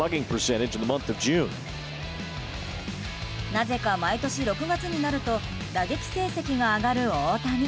なぜか毎年６月になると打撃成績が上がる大谷。